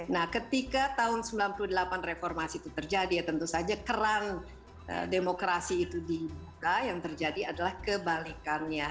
nah ketika tahun sembilan puluh delapan reformasi itu terjadi ya tentu saja kerang demokrasi itu dibuka yang terjadi adalah kebalikannya